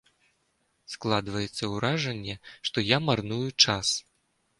Складваецца ўражанне, што я марную час.